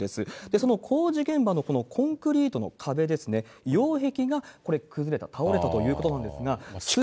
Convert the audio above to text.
その工事現場のこのコンクリートの壁ですね、擁壁がこれ、崩れた、倒れたということなんですが。